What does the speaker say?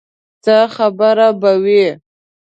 څه خبره به وي.